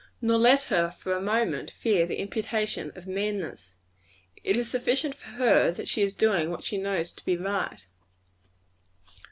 Nor let her, for a moment, fear the imputation of meanness; it is sufficient for her that she is doing what she knows to be right.